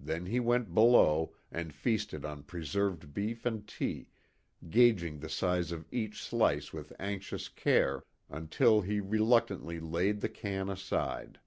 Then he went below, and feasted on preserved beef and tea, gauging the size of each slice with anxious care, until he reluctantly laid the can aside.